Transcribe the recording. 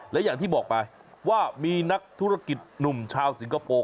และอย่างที่บอกไปว่ามีนักธุรกิจหนุ่มชาวสิงคโปร์